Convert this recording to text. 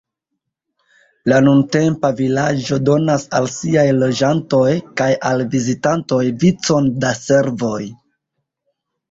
La nuntempa vilaĝo donas al siaj loĝantoj kaj al vizitantoj vicon da servoj.